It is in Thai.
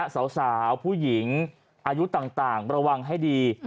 สาวผู้หญิงอายุต่างระวังให้ดี